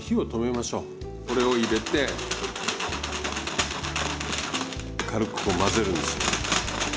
これを入れて軽くこう混ぜるんです。